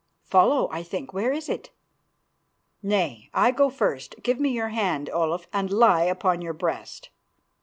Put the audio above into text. "Follow, I think. Where is it?" "Nay, I go first. Give me your hand, Olaf, and lie upon your breast."